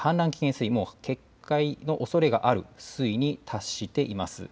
危険水位決壊の危険がある水位に達しています。